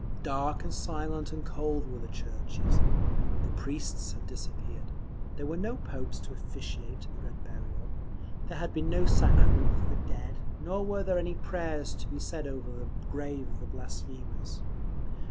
Dark and silent and cold were the churches; the priests had disappeared. There were no popes to officiate at the Red Burial, there had been no sacrament for the dead, nor were any prayers to be said over the grave of the blasphemers.